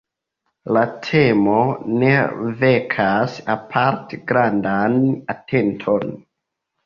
La temo ne vekas aparte grandan atenton.